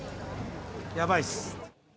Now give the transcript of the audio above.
やばいっす。